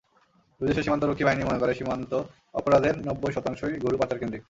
দুই দেশের সীমান্তরক্ষী বাহিনীই মনে করে, সীমান্ত অপরাধের নব্বই শতাংশই গরু-পাচারকেন্দ্রিক।